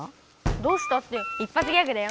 「どうした」っていっぱつギャグだよ。